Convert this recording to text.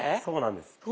そうなんです。